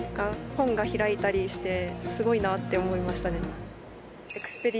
本が開いたりしてすごいなって思いましたね